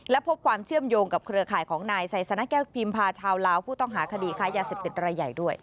และพบความเชื่อมโยงกับเครือข่ายของนายไซสนะแก้วพิมพาชาวลาวผู้ต้องหาคดีค้ายาเสพติดรายใหญ่ด้วย